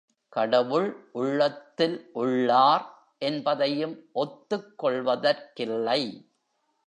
கடவுள் உள்ளத்துள் உள்ளார் என்பதையும் ஒத்துக் கொள்வதற்கில்லை.